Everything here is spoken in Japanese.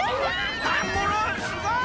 ダンゴロウすごい！